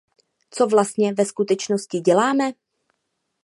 Co vlastně ve skutečnosti děláme?